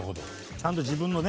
ちゃんと自分のね。